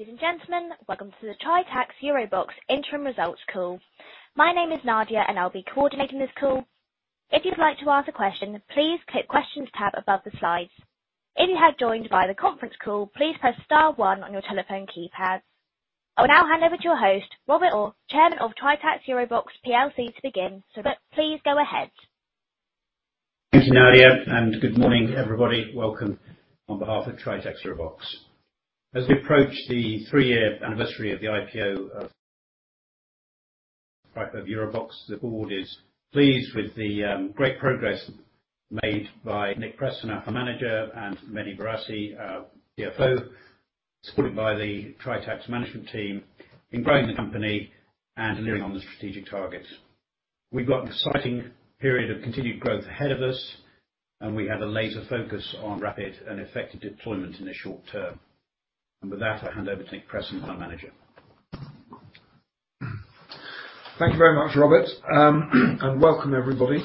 Ladies and gentlemen, welcome to the Tritax EuroBox interim results call. My name is Nadia, and I'll be coordinating this call. If you'd like to ask a question, please click Questions tab above the slides. If you have joined by the conference call, please press star one on your telephone keypad. I will now hand over to your host, Robert Orr, Chairman of Tritax EuroBox plc to begin. Robert, please go ahead. Thank you, Nadia. Good morning, everybody. Welcome on behalf of Tritax EuroBox. As we approach the three-year anniversary of the IPO of Tritax EuroBox, the Board is pleased with the great progress made by Nick Preston, our Fund Manager, and Mehdi Bourassi, our CFO, supported by the Tritax management team, in growing the company and delivering on the strategic targets. We've got an exciting period of continued growth ahead of us, and we have a laser focus on rapid and effective deployment in the short term. With that, I'll hand over to Nick Preston, our Fund Manager. Thank you very much, Robert. Welcome everybody.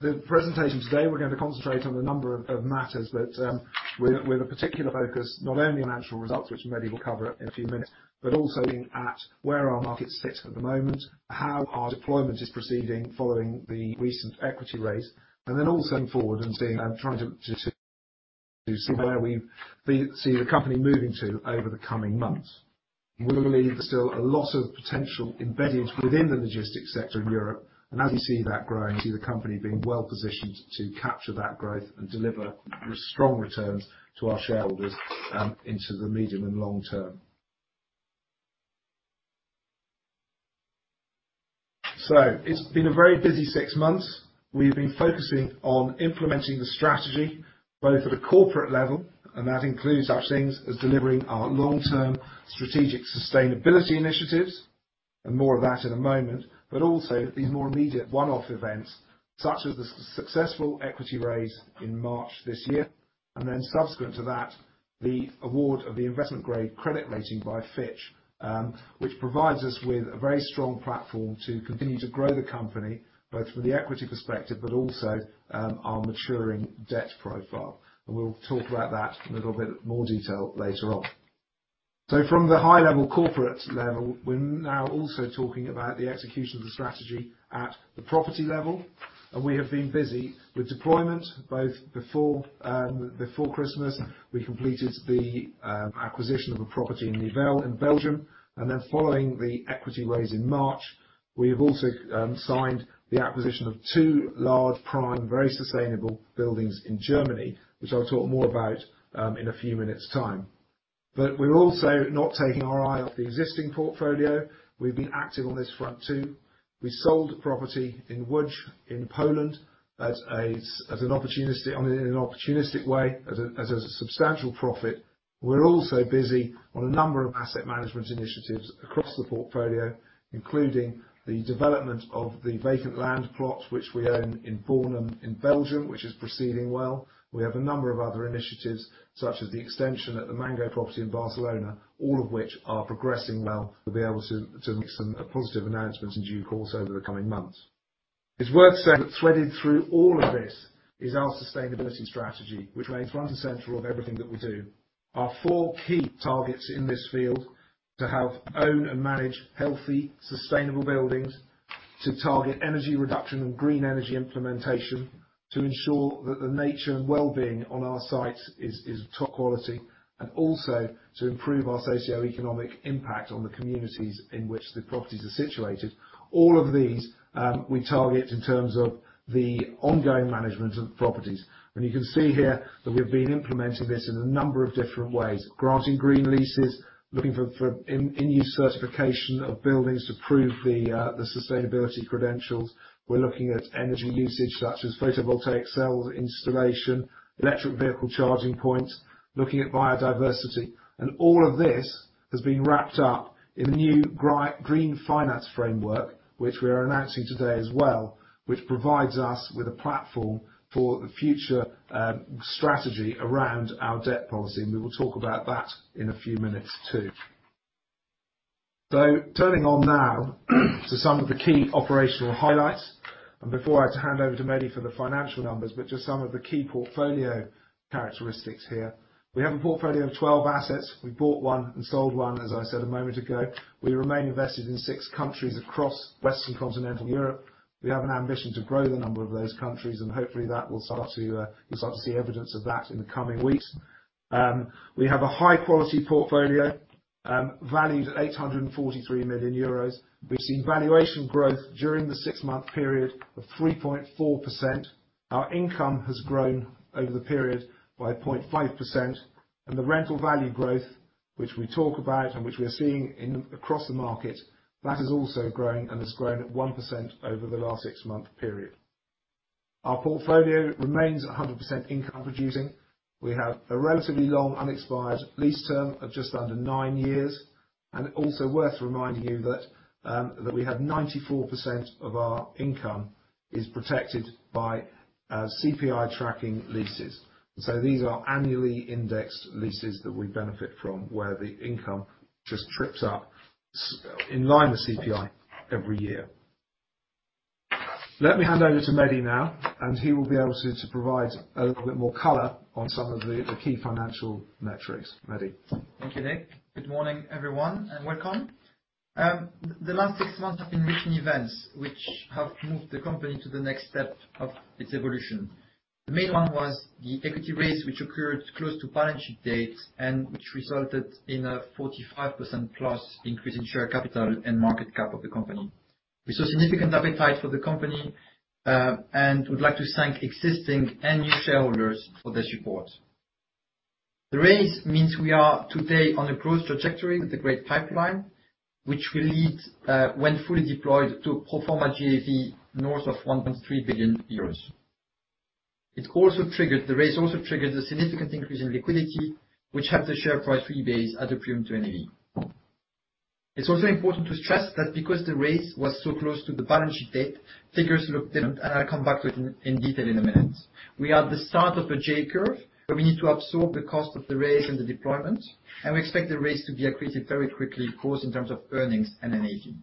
The presentation today, we're going to concentrate on the number of matters that with a particular focus, not only on actual results, which Mehdi will cover in a few minutes, but also looking at where our markets sit at the moment, how our deployment is proceeding following the recent equity raise, and then also forward and trying to see where we see the company moving to over the coming months. We believe there's still a lot of potential embedded within the logistics sector in Europe, and as we see that growing, see the company being well-positioned to capture that growth and deliver strong returns to our shareholders into the medium and long term. It's been a very busy six months. We've been focusing on implementing the strategy, both at a corporate level, and that includes such things as delivering our long-term strategic sustainability initiatives, and more of that in a moment, but also these more immediate one-off events, such as the successful equity raise in March this year, and then subsequent to that, the award of the investment-grade credit rating by Fitch, which provides us with a very strong platform to continue to grow the company, both from the equity perspective, but also our maturing debt profile. We'll talk about that in a little bit more detail later on. From the high-level corporate level, we're now also talking about the execution of the strategy at the property level, and we have been busy with deployment both before Christmas, we completed the acquisition of a property in Nivelles in Belgium. Following the equity raise in March, we have also signed the acquisition of two large prime, very sustainable buildings in Germany, which I'll talk more about in a few minutes time. We're also not taking our eye off the existing portfolio. We've been active on this front too. We sold a property in Łódź in Poland in an opportunistic way, as a substantial profit. We're also busy on a number of asset management initiatives across the portfolio, including the development of the vacant land plots which we own in Bornem in Belgium, which is proceeding well. We have a number of other initiatives, such as the extension at the Mango property in Barcelona, all of which are progressing well. We'll be able to make some positive announcements in due course over the coming months. It's worth saying that threaded through all of this is our sustainability strategy, which remains front and central of everything that we do. Our four key targets in this field to help own and manage healthy, sustainable buildings, to target energy reduction and green energy implementation, to ensure that the nature and wellbeing on our sites is top quality, and also to improve our socioeconomic impact on the communities in which the properties are situated. All of these, we target in terms of the ongoing management of properties. You can see here that we've been implementing this in a number of different ways, granting green leases, looking for in-use certification of buildings to prove the sustainability credentials. We're looking at energy usage such as photovoltaic cells installation, electric vehicle charging points, looking at biodiversity. All of this is being wrapped up in the new Green Finance Framework, which we are announcing today as well, which provides us with a platform for the future strategy around our debt policy. We will talk about that in a few minutes too. Turning on now to some of the key operational highlights. Before I hand over to Mehdi for the financial numbers, but just some of the key portfolio characteristics here. We have a portfolio of 12 assets. We bought one and sold one, as I said a moment ago. We remain invested in six countries across Western Continental Europe. We have an ambition to grow the number of those countries, and hopefully you'll start to see evidence of that in the coming weeks. We have a high-quality portfolio, valued at 843 million euros. We've seen valuation growth during the six-month period of 3.4%. Our income has grown over the period by 0.5%. The rental value growth, which we talk about and which we are seeing across the market, that is also growing and has grown at 1% over the last six-month period. Our portfolio remains 100% income producing. We have a relatively long unexpired lease term of just under nine years. Also worth reminding you that we have 94% of our income is protected by CPI tracking leases. These are annually indexed leases that we benefit from where the income just trips up in line with CPI every year. Let me hand over to Mehdi now, and he will be able to provide a bit more color on some of the key financial metrics. Mehdi? Okay, Nick. Good morning, everyone, and welcome. The last six months have been rich in events which have moved the company to the next step of its evolution. The main one was the equity raise, which occurred close to balance sheet date and which resulted in a 45%+ increase in share capital and market cap of the company. We saw significant appetite for the company, and we'd like to thank existing and new shareholders for their support. The raise means we are today on a growth trajectory with a great pipeline, which will lead, when fully deployed, to a pro forma GAV north of 1.3 billion euros. The raise also triggered a significant increase in liquidity, which helped the share price rebase at the peak in NAV. It's also important to stress that because the raise was so close to the balance sheet date, figures look different. I'll come back to it in detail in a minute. We are at the start of a J-curve, where we need to absorb the cost of the raise and the deployment. We expect the raise to be accretive very quickly, of course, in terms of earnings and NAV.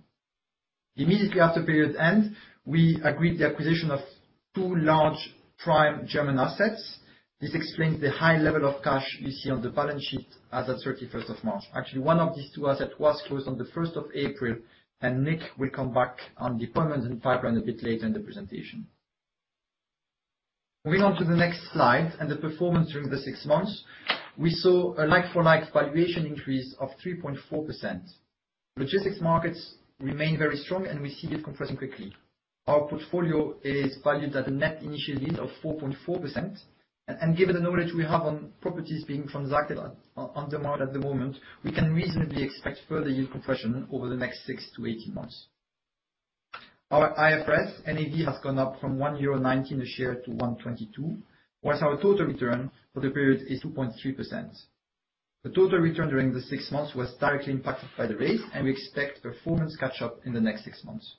Immediately after period end, we agreed the acquisition of two large prime German assets. This explains the high level of cash we see on the balance sheet as at March 31st. Actually, one of these two assets was closed on April 1st. Nick will come back on deployment and pipeline a bit later in the presentation. Moving on to the next slide and the performance during the six months, we saw a like-for-like valuation increase of 3.4%. Logistics markets remain very strong, and we see decompressing quickly. Our portfolio is valued at a net initial yield of 4.4%, and given the knowledge we have on properties being transacted on demand at the moment, we can reasonably expect further decompression over the next 6 to 18 months. Our IFRS NAV has gone up from 1.19 euro a share to 1.22, whilst our total return for the period is 2.3%. The total return during the six months was directly impacted by the raise, and we expect performance catch-up in the next six months.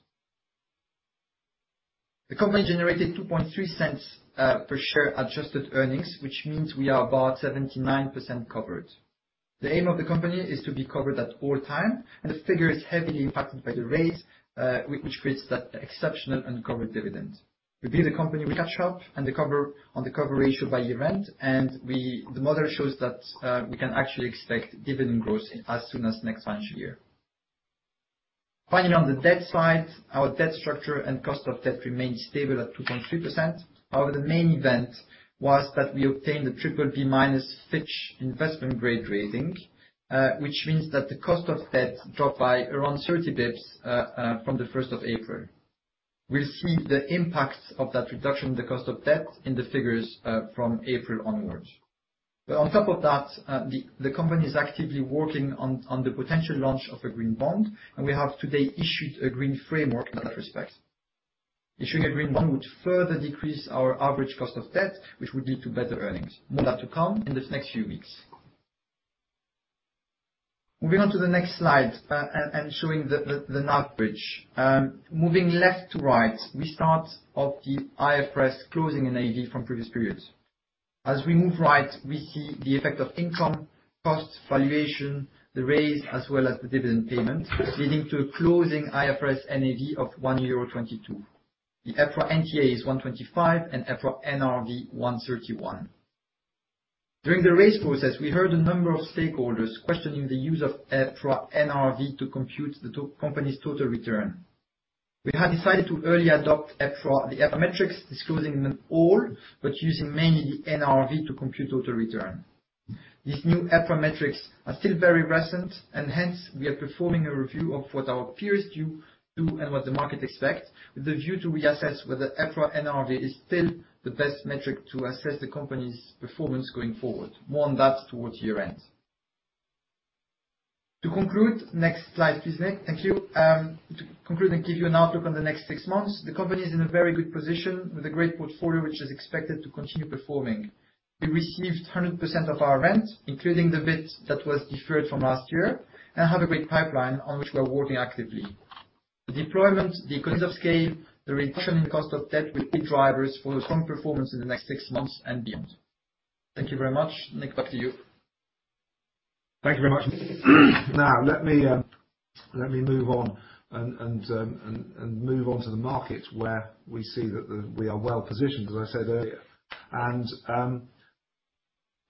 The company generated 0.023 per share adjusted earnings, which means we are about 79% covered. The aim of the company is to be covered at all times. This figure is heavily impacted by the raise, which creates that exceptional uncovered dividend. We believe the company will catch up on the cover ratio by year end. The model shows that we can actually expect dividend growth as soon as next financial year. Finally, on the debt side, our debt structure and cost of debt remains stable at 2.3%. Our main event was that we obtained the BBB- Fitch investment-grade rating, which means that the cost of debt dropped by around 30 basis points from the April 1st. We'll see the impact of that reduction in the cost of debt in the figures from April onwards. On top of that, the company is actively working on the potential launch of a Green Bond. We have today issued a green framework in that respect. Issuing a Green Bond would further decrease our average cost of debt, which would lead to better earnings. More on that to come in the next few weeks. Moving on to the next slide and showing the NAV bridge. Moving left to right, we start of the IFRS closing NAV from previous periods. As we move right, we see the effect of income, costs, valuation, the raise, as well as the dividend payment, leading to a closing IFRS NAV of 1.22 euro. The EPRA NTA is 1.25 and EPRA NRV 1.31. During the raise process, we heard a number of stakeholders questioning the use of EPRA NRV to compute the company's total return. We have decided to early adopt the EPRA metrics, disclosing them all, but using mainly the NRV to compute total return. These new EPRA metrics are still very recent, and hence we are performing a review of what our peers do and what the market expects, with a view to reassess whether EPRA NRV is still the best metric to assess the company's performance going forward. More on that towards year-end. To conclude, next slide, please, Nick. Thank you. To conclude and give you an outlook on the next six months, the company is in a very good position with a great portfolio, which is expected to continue performing. We received 100% of our rent, including the bit that was deferred from last year, and have a great pipeline on which we are working actively. The deployment, the economies of scale, the reduction in cost of debt will be drivers for a strong performance in the next six months and beyond. Thank you very much. Nick, back to you. Thank you very much. Let me move on to the market where we see that we are well positioned, as I said earlier.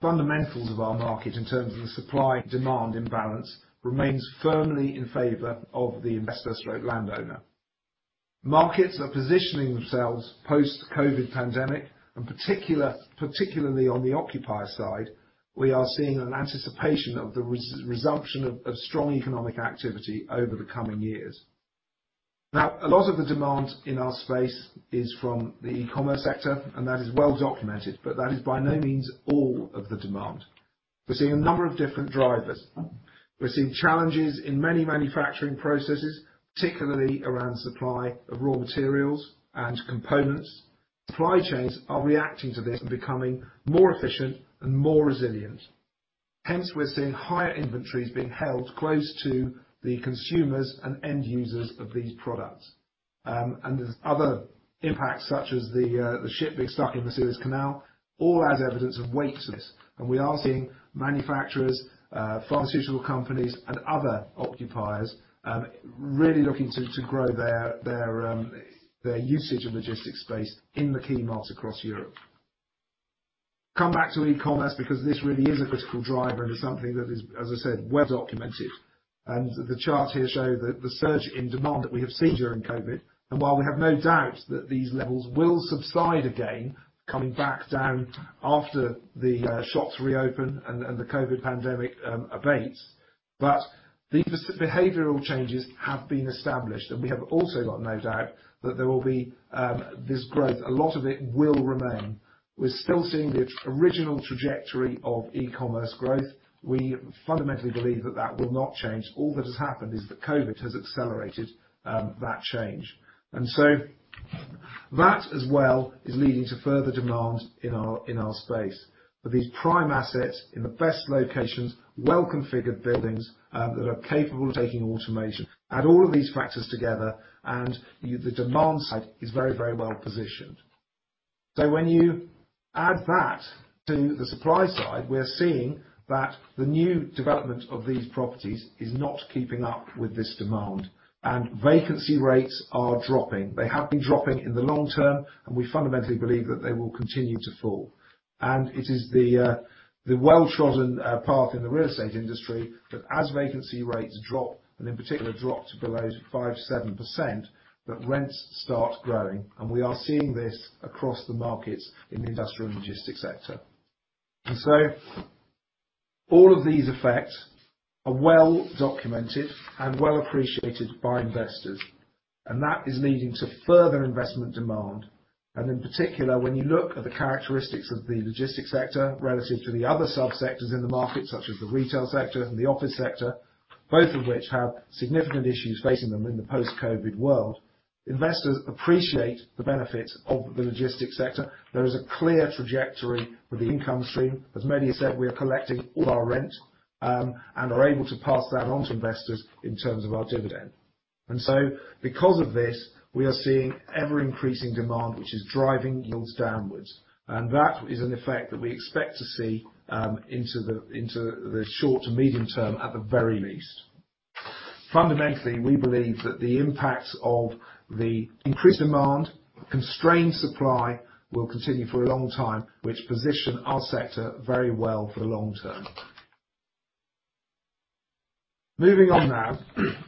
Fundamentals of our market in terms of the supply-demand imbalance remains firmly in favor of the investor/landowner. Markets are positioning themselves post the COVID pandemic, and particularly on the occupy side, we are seeing an anticipation of the resumption of strong economic activity over the coming years. A lot of the demand in our space is from the e-commerce sector, and that is well documented, but that is by no means all of the demand. We're seeing a number of different drivers. We're seeing challenges in many manufacturing processes, particularly around supply of raw materials and components. Supply chains are reacting to this and becoming more efficient and more resilient. We're seeing higher inventories being held close to the consumers and end users of these products. There's other impacts, such as the ship that's stuck in the Suez Canal, all as evidence of weight to this. We are seeing manufacturers, pharmaceutical companies, and other occupiers really looking to grow their usage of logistics space in the key markets across Europe. Come back to e-commerce because this really is a critical driver and is something that is, as I said, well documented. The chart here show that the surge in demand that we have seen during COVID, and while we have no doubt that these levels will subside again, coming back down after the shops reopen and the COVID pandemic abates, these behavioral changes have been established. We have also got no doubt that there will be this growth. A lot of it will remain. We're still seeing the original trajectory of e-commerce growth. We fundamentally believe that that will not change. All that has happened is that COVID has accelerated that change. That as well is leading to further demand in our space. For these prime assets in the best locations, well-configured buildings, that are capable of taking automation. Add all of these factors together and the demand side is very well positioned. When you add that to the supply side, we're seeing that the new development of these properties is not keeping up with this demand, and vacancy rates are dropping. They have been dropping in the long term, and we fundamentally believe that they will continue to fall. It is the well-trodden path in the real estate industry that as vacancy rates drop, and in particular drop to below 5%-7%, that rents start growing. We are seeing this across the markets in the industrial and logistics sector. All of these effects are well documented and well appreciated by investors, and that is leading to further investment demand. In particular, when you look at the characteristics of the logistics sector relative to the other sub-sectors in the market, such as the retail sector and the office sector, both of which have significant issues facing them in the post-COVID world, investors appreciate the benefit of the logistics sector. There is a clear trajectory for the income stream. As many have said, we are collecting all our rent, and are able to pass that on to investors in terms of our dividend. Because of this, we are seeing ever-increasing demand, which is driving yields downwards. That is an effect that we expect to see into the short to medium term, at the very least. Fundamentally, we believe that the impacts of the increased demand, constrained supply, will continue for a long time, which position our sector very well for the long term. Moving on now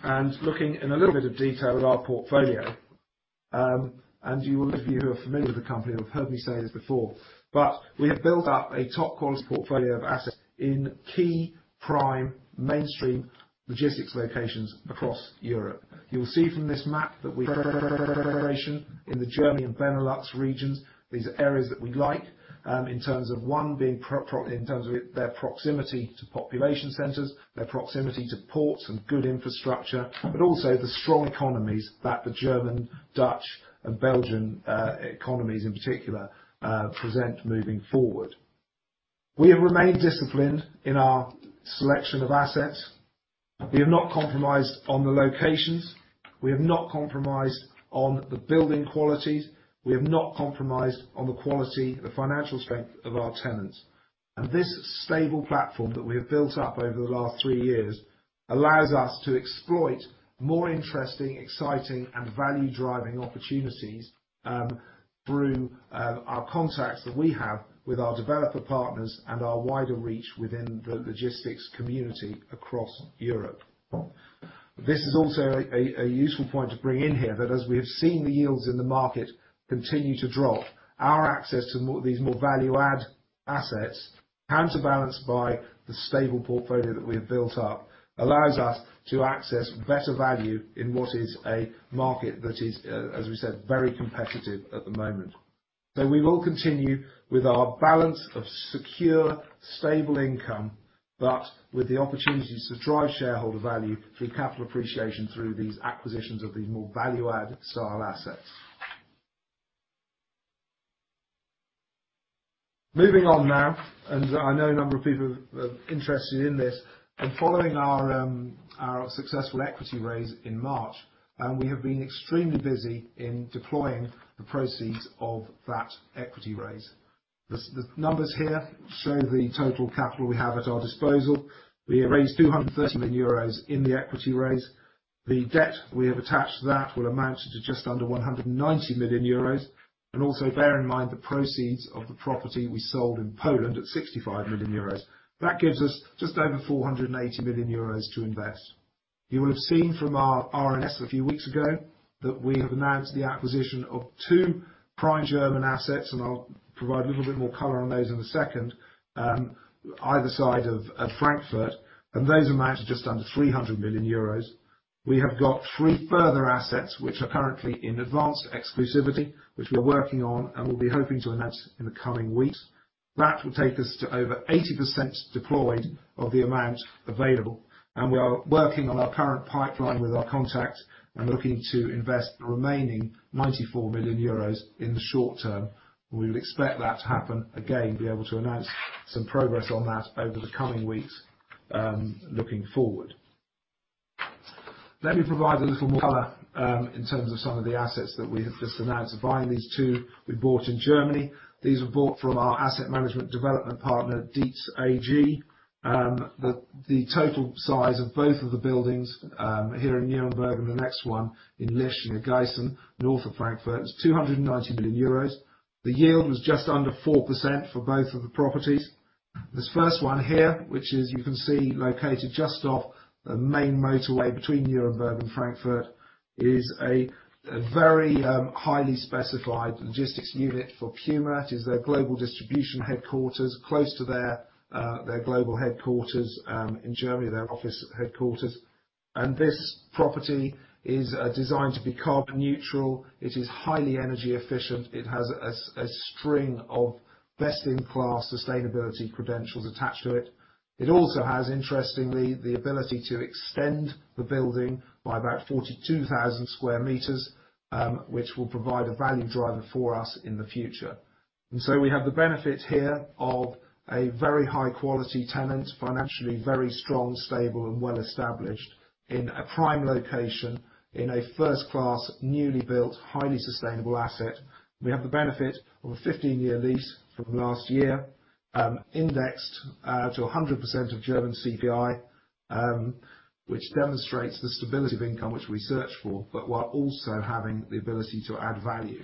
and looking in a little bit of detail at our portfolio. Those of you who are familiar with the company will have heard me say this before, but we have built up a top-quality portfolio of assets in key prime mainstream logistics locations across Europe. You will see from this map that we have in the Germany and Benelux regions. These are areas that we like in terms of, one, their proximity to population centers, their proximity to ports and good infrastructure, but also the strong economies that the German, Dutch, and Belgian economies in particular present moving forward. We have remained disciplined in our selection of assets. We have not compromised on the locations, we have not compromised on the building qualities, we have not compromised on the quality, the financial strength of our tenants. This stable platform that we have built up over the last three years allows us to exploit more interesting, exciting, and value-driving opportunities through our contacts that we have with our developer partners and our wider reach within the logistics community across Europe. This is also a useful point to bring in here, that as we have seen the yields in the market continue to drop, our access to these more value-add assets, counterbalanced by the stable portfolio that we have built up, allows us to access better value in what is a market that is, as we said, very competitive at the moment. We will continue with our balance of secure, stable income, but with the opportunities to drive shareholder value through capital appreciation through these acquisitions of these more value-add style assets. Moving on now, I know a number of people are interested in this. Following our successful equity raise in March, we have been extremely busy in deploying the proceeds of that equity raise. The numbers here show the total capital we have at our disposal. We raised 230 million euros in the equity raise. The debt we have attached to that will amount to just under 190 million euros. Also bear in mind the proceeds of the property we sold in Poland at 65 million euros. That gives us just over 480 million euros to invest. You will have seen from our RNS a few weeks ago that we have announced the acquisition of two prime German assets, I'll provide a little bit more color on those in a second, either side of Frankfurt, those amount to just under 300 million euros. We have got three further assets, which are currently in advanced exclusivity, which we are working on and will be hoping to announce in the coming weeks. That will take us to over 80% deployed of the amount available, We are working on our current pipeline with our contacts and looking to invest the remaining 94 million euros in the short term. We would expect that to happen, again, be able to announce some progress on that over the coming weeks, looking forward. Let me provide a little more color, in terms of some of the assets that we have just announced. Buying these two we bought in Germany. These were bought from our asset management development partner, Dietz AG. The total size of both of the buildings, here in Nuremberg and the next one in Lich and Gießen, north of Frankfurt, is 290 million euros. The yield was just under 4% for both of the properties. This first one here, which as you can see, located just off the main motorway between Nuremberg and Frankfurt, is a very highly specified logistics unit for Puma. It is their global distribution headquarters, close to their global headquarters in Germany, their office headquarters. This property is designed to be carbon neutral. It is highly energy efficient. It has a string of best-in-class sustainability credentials attached to it. It also has, interestingly, the ability to extend the building by about 42,000 sq m, which will provide a value driver for us in the future. We have the benefit here of a very high-quality tenant, financially very strong, stable, and well-established in a prime location, in a first-class, newly built, highly sustainable asset. We have the benefit of a 15-year lease from last year, indexed to 100% of German CPI, which demonstrates the stability of income which we search for, but while also having the ability to add value.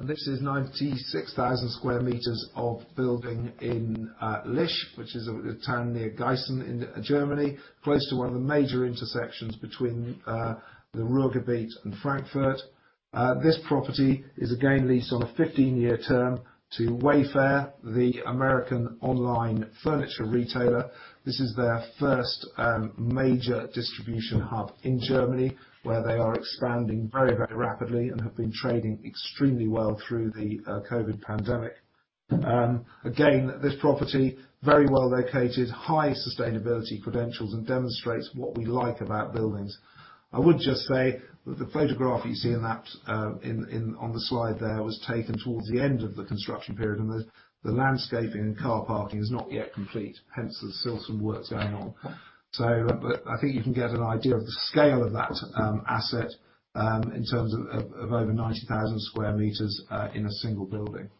The next asset, this is 96,000 sq m of building in Lich, which is a town near Gießen in Germany, close to one of the major intersections between the Ruhrgebiet and Frankfurt. This property is again leased on a 15-year term to Wayfair, the American online furniture retailer. This is their first major distribution hub in Germany, where they are expanding very rapidly and have been trading extremely well through the COVID pandemic. Again, this property, very well located, high sustainability credentials, and demonstrates what we like about buildings. I would just say that the photograph you see on the slide there was taken towards the end of the construction period, and the landscaping and car parking is not yet complete, hence there's still some work going on. I think you can get an idea of the scale of that asset, in terms of over 90,000 sq m in a single building.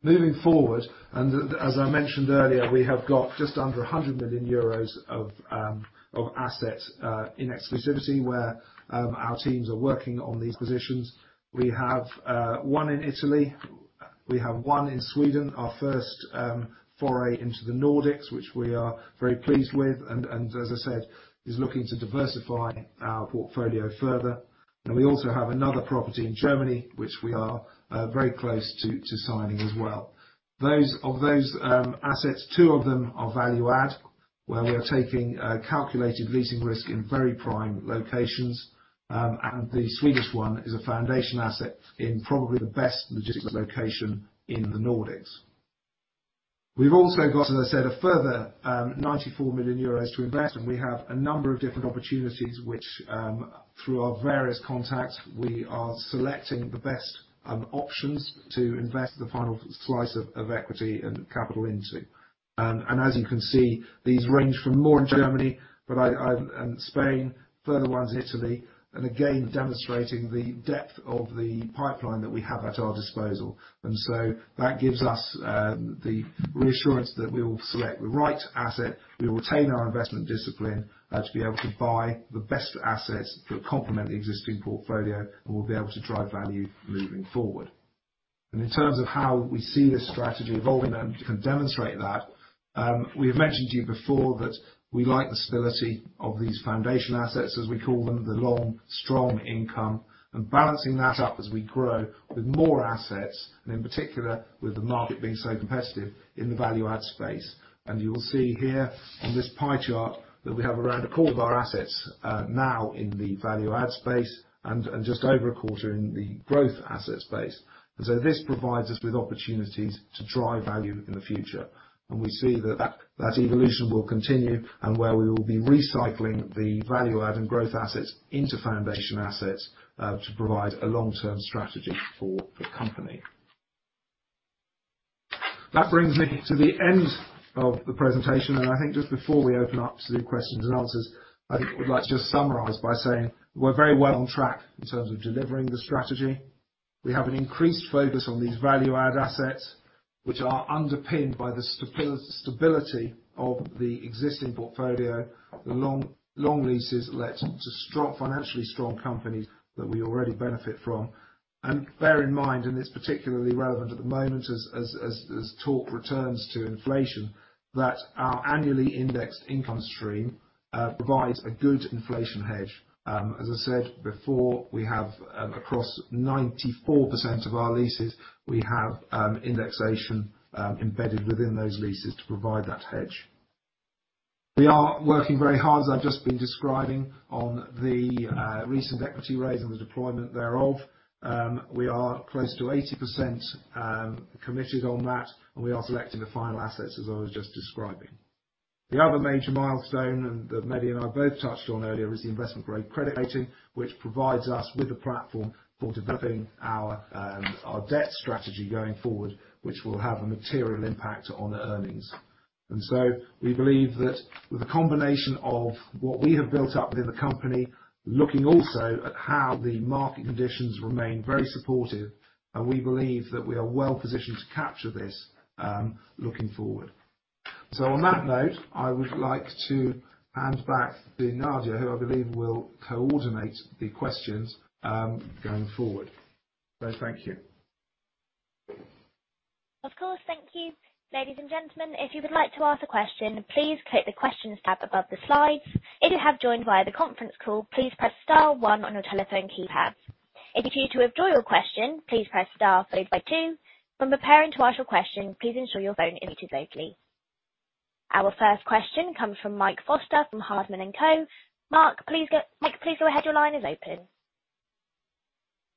Moving forward, and as I mentioned earlier, we have got just under 100 million euros of assets in exclusivity where our teams are working on these positions. We have one in Italy. We have one in Sweden, our first foray into the Nordics, which we are very pleased with, and as I said, is looking to diversify our portfolio further. We also have another property in Germany, which we are very close to signing as well. Of those assets, two of them are value add, where we are taking a calculated leasing risk in very prime locations. The Swedish one is a foundation asset in probably the best logistics location in the Nordics. We've also got, as I said, a further 94 million euros to invest, and we have a number of different opportunities which, through our various contacts, we are selecting the best options to invest the final slice of equity and capital into. As you can see, these range from more in Germany and Spain, further ones Italy, and again, demonstrating the depth of the pipeline that we have at our disposal. That gives us the reassurance that we will select the right asset, we will retain our investment discipline to be able to buy the best assets that complement the existing portfolio, and we'll be able to drive value moving forward. In terms of how we see this strategy evolving and can demonstrate that, we have mentioned to you before that we like the stability of these foundation assets, as we call them, the long, strong income. Balancing that up as we grow with more assets, and in particular, with the market being so competitive in the value add space. You will see here on this pie chart that we have around a quarter of our assets now in the value add space and just over a quarter in the growth asset space. This provides us with opportunities to drive value in the future. We see that that evolution will continue and where we will be recycling the value add and growth assets into foundation assets, to provide a long-term strategy for the company. That brings me to the end of the presentation, and I think just before we open up to the questions and answers, I think I would like to just summarize by saying we're very well on track in terms of delivering the strategy. We have an increased focus on these value add assets, which are underpinned by the stability of the existing portfolio, the long leases let to financially strong companies that we already benefit from. Bear in mind, and it's particularly relevant at the moment as talk returns to inflation, that our annually indexed income stream provides a good inflation hedge. As I said before, we have across 94% of our leases, we have indexation embedded within those leases to provide that hedge. We are working very hard, as I've just been describing, on the recent equity raise and the deployment thereof. We are close to 80% committed on that, and we are selecting the final assets as I was just describing. The other major milestone, and that Mehdi and I both touched on earlier, is the investment grade credit rating, which provides us with a platform for developing our debt strategy going forward, which will have a material impact on earnings. We believe that with the combination of what we have built up within the company, looking also at how the market conditions remain very supportive, and we believe that we are well positioned to capture this, looking forward. On that note, I would like to hand back to Nadia, who I believe will coordinate the questions going forward. Thank you. Of course. Thank you. Ladies and gentlemen, if you would like to ask a question, please hit the question tab above the slide. If you have joined via the conference call, please press star one on your telephone keypad. If you'd like to withdraw your question, please press star followed by two. When preparing to ask your question, please ensure your phone is muted, please. Our first question comes from Mike Foster from Hardman & Co. Mike, please go ahead. Your line is open.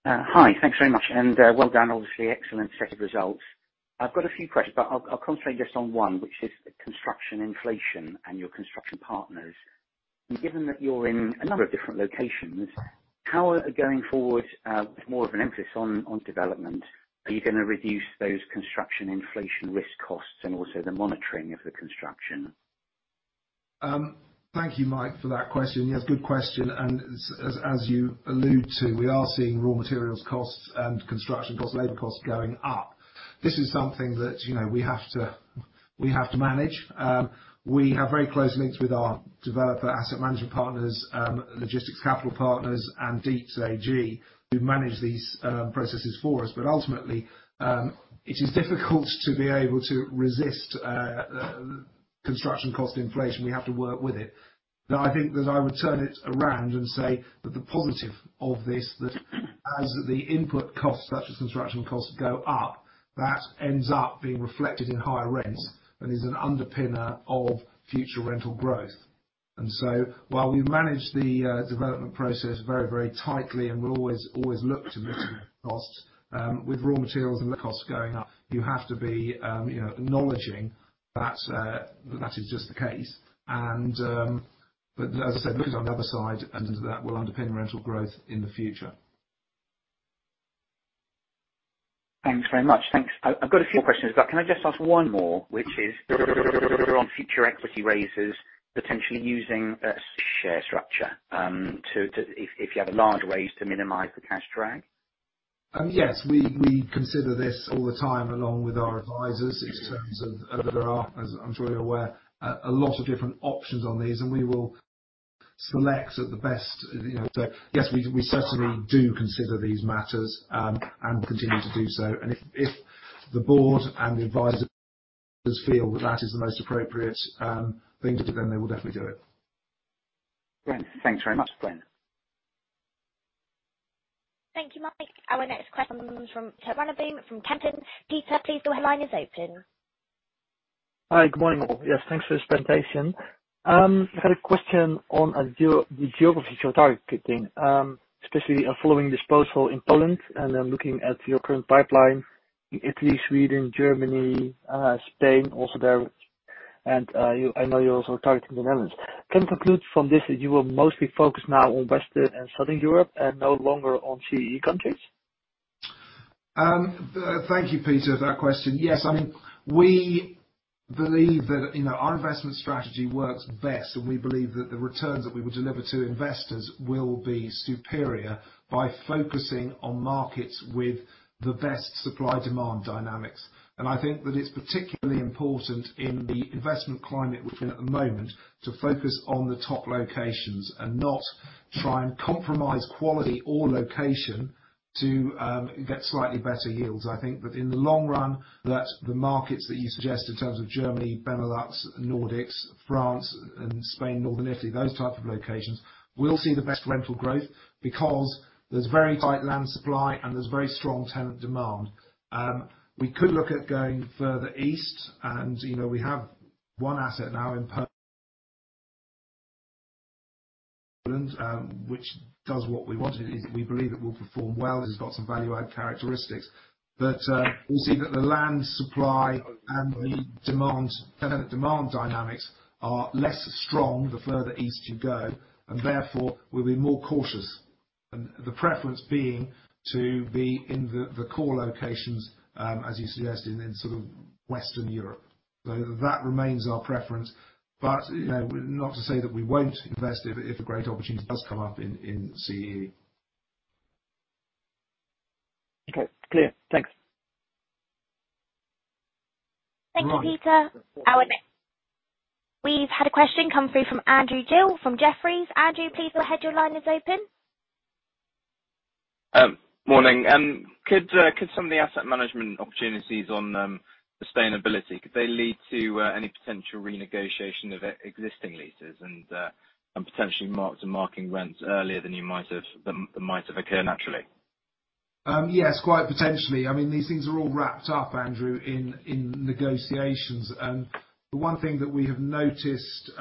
Hi. Thanks very much, and well done. Obviously, excellent set of results. I've got a few questions, but I'll concentrate just on one, which is construction inflation and your construction partners. Given that you're in a number of different locations, how are going forward with more of an emphasis on development? Are you going to reduce those construction inflation risk costs and also the monitoring of the construction? Thank you, Mike, for that question. Yes, good question. As you allude to, we are seeing raw materials costs and construction cost labor costs going up. This is something that we have to manage. We have very close links with our developer asset management partners, Logistics Capital Partners, and Dietz AG, who manage these processes for us. Ultimately, it is difficult to be able to resist construction cost inflation. We have to work with it. I think that I would turn it around and say that the positive of this, that as the input costs, such as construction costs, go up, that ends up being reflected in higher rents and is an underpinner of future rental growth. While we manage the development process very tightly and will always look to reduce costs, with raw materials and the costs going up, you have to be acknowledging that is just the case. As I said, there is another side, and that will underpin rental growth in the future. Thanks very much. Thanks. I've got a few questions. Can I just ask one more, which is on future equity raises, potentially using a share structure if you have a large raise to minimize the cash drag? Yes, we consider this all the time along with our advisors in terms of as I'm sure you're aware, a lot of different options on these, and we will select the best. Yes, we certainly do consider these matters and continue to do so, and if the Board and the advisors feel that is the most appropriate thing to do, then we'll definitely do it. Thanks very much. Thank you, Mike. Our next question comes from. Peter, please, your line is open. Hi, good morning, all. Yes, thanks for this presentation. I have a question on the geographies you're targeting, especially following disposal in Poland and then looking at your current pipeline in Italy, Sweden, Germany, Spain also there, and I know you're also targeting the Netherlands. Can we conclude from this that you will mostly focus now on Western and Southern Europe and no longer on CEE countries? Thank you, Peter, for that question. Yes, we believe that our investment strategy works best, and we believe that the returns that we will deliver to investors will be superior by focusing on markets with the best supply-demand dynamics. I think that it's particularly important in the investment climate we're in at the moment to focus on the top locations and not try and compromise quality or location to get slightly better yields. I think that in the long run, that the markets that you suggest in terms of Germany, Benelux, Nordics, France and Spain, northern Italy, those type of locations will see the best rental growth because there's very tight land supply and there's very strong tenant demand. We could look at going further east, and we have one asset now in Poland, which does what we want. We believe it will perform well as it's got some value add characteristics. We'll see that the land supply and the tenant demand dynamics are less strong the further east you go, and therefore we'll be more cautious. The preference being to be in the core locations, as you suggest, in Western Europe. That remains our preference. Not to say that we won't invest if a great opportunity does come up in CEE. Okay, good. Thanks. Thank you, Peter. We've had a question come through from Andrew Gill from Jefferies. Andrew, please go ahead. Your line is open. Morning. Could some of the asset management opportunities on sustainability, could they lead to any potential renegotiation of existing leases and potentially mark to market rents earlier than might have occurred naturally? Yes, quite potentially. These things are all wrapped up, Andrew, in negotiations. The one thing that we have noticed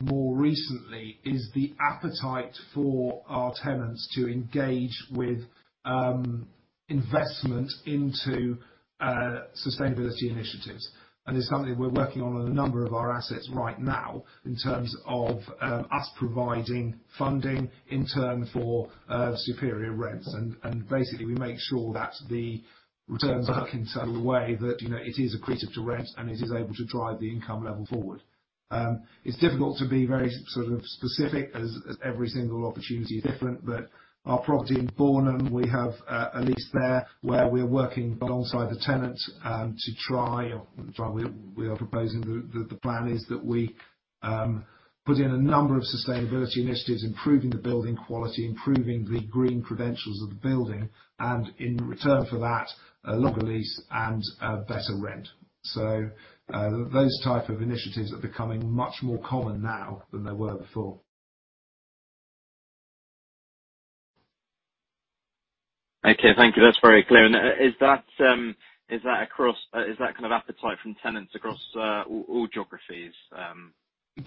more recently is the appetite for our tenants to engage with investment into sustainability initiatives. It's something we're working on in a number of our assets right now in terms of us providing funding in turn for superior rents. Basically, we make sure that the returns work in such a way that it is accretive to rent and it is able to drive the income level forward. It's difficult to be very specific as every single opportunity is different. Our property in Bornem, we have a lease there where we're working alongside the tenant to try, or we are proposing, the plan is that we put in a number of sustainability initiatives, improving the building quality, improving the green credentials of the building, and in return for that, a longer lease and a better rent. Those type of initiatives are becoming much more common now than they were before. Okay, thank you. That's very clear. Is that kind of appetite from tenants across all geographies?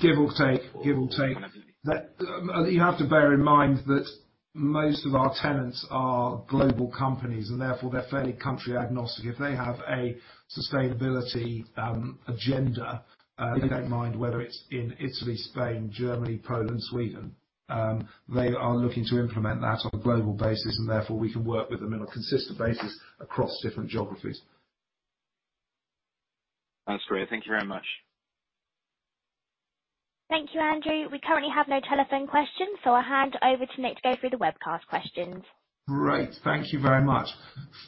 Give or take. You have to bear in mind that most of our tenants are global companies, therefore they're fairly country-agnostic. If they have a sustainability agenda, they don't mind whether it's in Italy, Spain, Germany, Poland, Sweden. They are looking to implement that on a global basis, therefore we can work with them on a consistent basis across different geographies. That's great. Thank you very much. Thank you, Andrew. We currently have no telephone questions. I'll hand over to Nick to go through the webcast questions. Great. Thank you very much.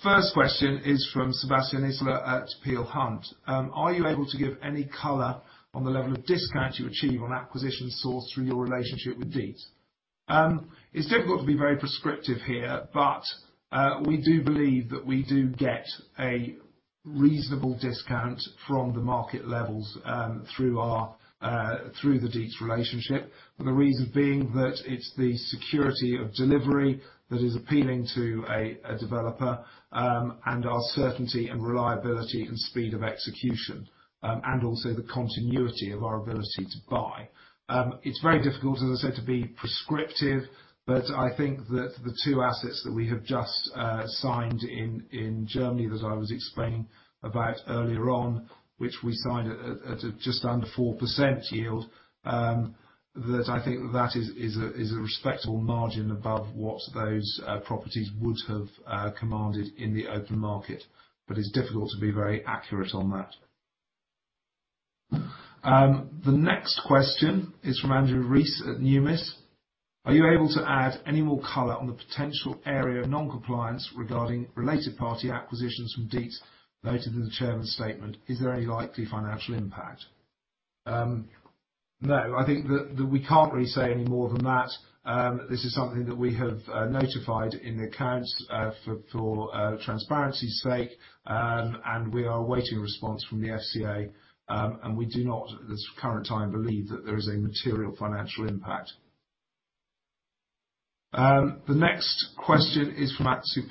First question is from Sebastian Isola at Peel Hunt. Are you able to give any color on the level of discount you achieve on acquisitions sourced through your relationship with Dietz? It is difficult to be very prescriptive here, but we do believe that we do get a reasonable discount from the market levels through the Dietz relationship. The reason being that it is the security of delivery that is appealing to a developer, and our certainty and reliability and speed of execution, and also the continuity of our ability to buy. It's very difficult, as I said, to be prescriptive, but I think that the two assets that we have just signed in Germany, as I was explaining about earlier on, which we signed at just under 4% yield, that I think that is a respectable margin above what those properties would have commanded in the open market. It's difficult to be very accurate on that. The next question is from Andrew Rees at Numis. Are you able to add any more color on the potential area of non-compliance regarding related party acquisitions from Dietz noted in the chairman's statement? Is there any likely financial impact? No. I think that we can't really say any more than that. This is something that we have notified in the accounts for transparency's sake, and we are awaiting a response from the FCA. We do not, at this current time, believe that there is a material financial impact. The next question is from Matthew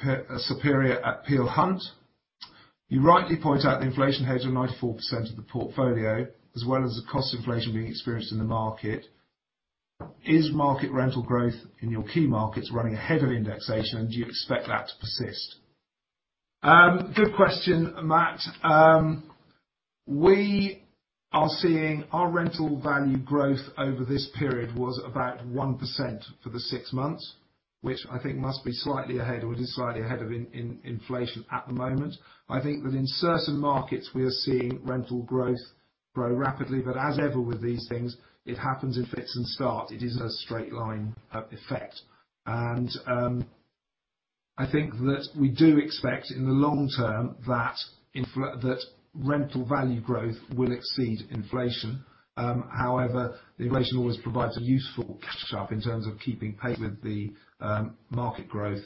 Saperia at Peel Hunt. You rightly point out the inflation hedge on 94% of the portfolio, as well as the cost inflation being experienced in the market. Is market rental growth in your key markets running ahead of indexation, and do you expect that to persist? Good question, Matt. We are seeing our rental value growth over this period was about 1% for the six months, which I think must be slightly ahead, or it is slightly ahead of inflation at the moment. I think that in certain markets, we are seeing rental growth grow rapidly, but as ever with these things, it happens in fits and starts. It isn't a straight line effect. I think that we do expect in the long term that rental value growth will exceed inflation. However, the inflation always provides a useful catch-up in terms of keeping pace with the market growth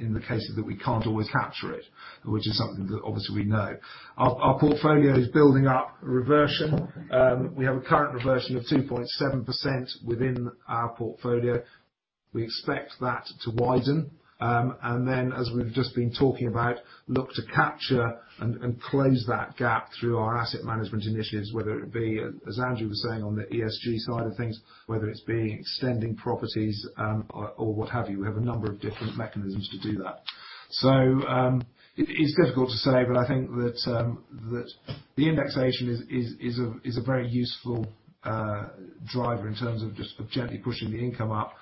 in the cases that we can't always capture it, which is something that obviously we know. Our portfolio is building up reversion. We have a current reversion of 2.7% within our portfolio. We expect that to widen. As we've just been talking about, look to capture and close that gap through our asset management initiatives, whether it be, as Andrew was saying on the ESG side of things, whether it's be extending properties or what have you. We have a number of different mechanisms to do that. It's difficult to say, but I think that the indexation is a very useful driver in terms of just gently pushing the income up.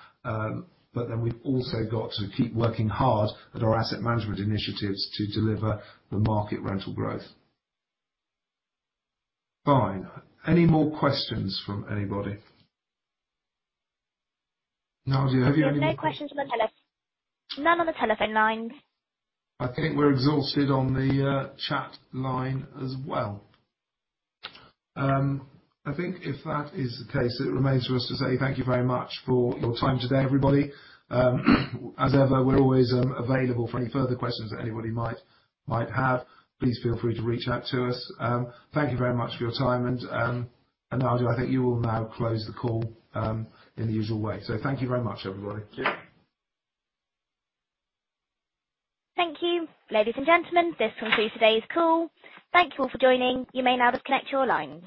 We've also got to keep working hard at our asset management initiatives to deliver the market rental growth. Fine. Any more questions from anybody? Nadia, have you any more- There are no questions. None on the telephone line. I think we're exhausted on the chat line as well. I think if that is the case, it remains for us to say thank you very much for your time today, everybody. As ever, we're always available for any further questions that anybody might have. Please feel free to reach out to us. Thank you very much for your time. Nadia, I think you will now close the call in the usual way. Thank you very much, everybody. Thank you. Thank you. Ladies and gentlemen, this concludes today's call. Thank you all for joining. You may now disconnect your lines.